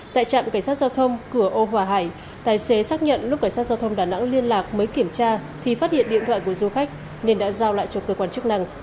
tại trạm cảnh sát giao thông cửa âu hòa hải tài xế xác nhận lúc cảnh sát giao thông đà nẵng liên lạc mới kiểm tra thì phát hiện điện thoại của du khách nên đã giao lại cho cơ quan chức năng